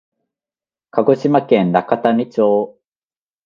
鹿児島県中種子町